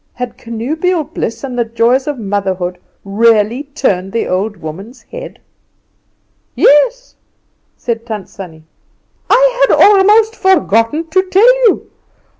Had connubial bliss and the joys of motherhood really turned the old Boer woman's head? "Yes," said Tant Sannie; "I had almost forgotten to tell you.